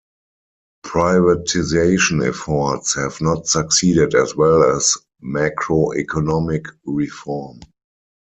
Privatization efforts have not succeeded as well as macroeconomic reform.